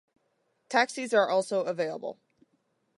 Taxis are also available.